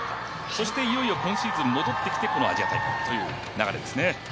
そしていよいよ今シーズン戻ってきてこのアジア大会という流れですね。